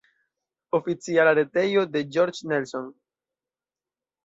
Oficiala retejo de George Nelson.